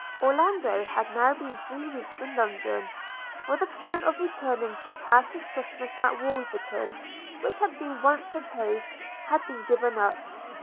Orlando had now been three weeks in London; for the plan of returning to pass his Christmas at Wolverton, which had been once proposed, had been given up.